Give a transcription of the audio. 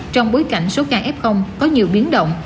trong bối cảnh số ca f có nhiều biến động